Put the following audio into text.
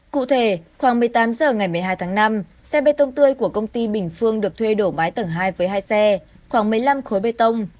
cụ thể khoảng một mươi tám h ngày một mươi hai tháng năm xe bê tông tươi của công ty bình phương được thuê đổ mái tầng hai với hai xe khoảng một mươi năm khối bê tông